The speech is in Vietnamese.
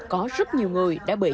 có rất nhiều người đã bị